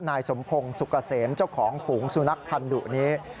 นายสมพงศ์สุกเกษมเจ้าของฝูงสุนัขพันธุนี้